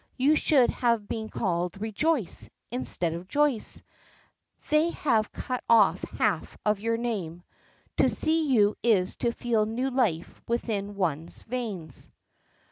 You should have been called 'Rejoice' instead of 'Joyce'; they have cut off half your name. To see you is to feel new life within one's veins."